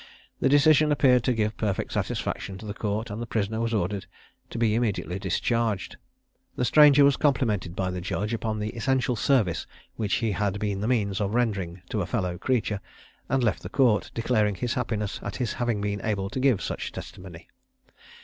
This decision appeared to give perfect satisfaction to the court, and the prisoner was ordered to be immediately discharged. The stranger was complimented by the judge upon the essential service which he had been the means of rendering to a fellow creature, and left the court, declaring his happiness at his having been able to give such testimony.